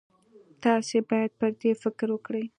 تاسې باید پر دې فکر وکړئ.